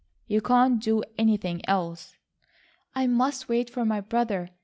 "You can't do anything else." "I must wait for my brother.